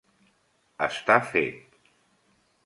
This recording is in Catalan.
Està fet.